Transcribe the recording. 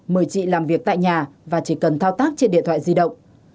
mời chị làm việc tại nhà và chỉ cần thao tác trên điện thoại di động